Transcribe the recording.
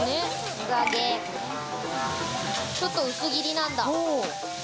厚揚げ、ちょっと薄切りなんだ。